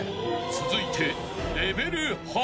［続いて］